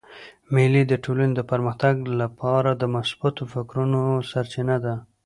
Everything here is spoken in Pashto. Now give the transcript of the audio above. مېلې د ټولني د پرمختګ له پاره د مثبتو فکرو سرچینه ده.